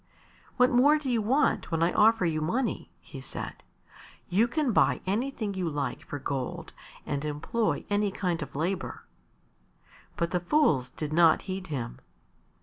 "What more do you want when I offer you money?" he said. "You can buy anything you like for gold and employ any kind of labour." But the fools did not heed him.